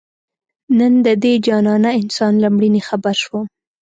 نن د دې جانانه انسان له مړیني خبر شوم